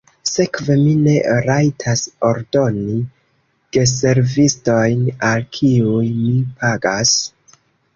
Sekve mi ne rajtas ordoni geservistojn, al kiuj mi pagas?